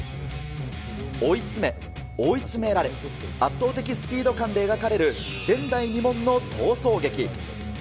追い詰め、追い詰められ、圧倒的スピード感で描かれる前代未聞の逃走劇。